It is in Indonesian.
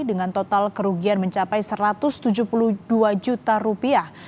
dengan total kerugian mencapai satu ratus tujuh puluh dua juta rupiah